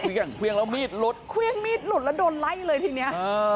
เครื่องเครื่องแล้วมีดหลุดเครื่องมีดหลุดแล้วโดนไล่เลยทีเนี้ยเออ